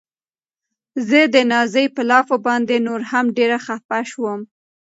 زه د نازيې په لافو باندې نوره هم ډېره خپه شوم.